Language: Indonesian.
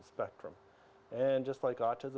jika kita menjaga kehidupan yang